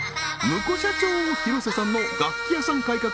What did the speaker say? ムコ社長廣瀬さんの楽器屋さん改革